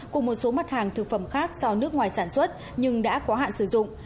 cùng một số mặt hàng thực phẩm khác do nước ngoài sản xuất nhưng đã quá hạn sử dụng